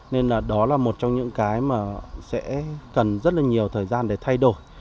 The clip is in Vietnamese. nên là đó là một trong những cái mà sẽ cần rất là nhiều thời gian để thay đổi